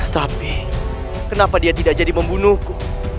tapi kenapa dia tidak jadi membunuhku